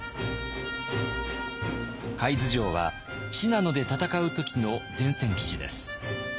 海津城は信濃で戦う時の前線基地です。